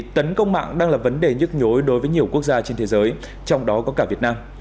tấn công mạng đang là vấn đề nhức nhối đối với nhiều quốc gia trên thế giới trong đó có cả việt nam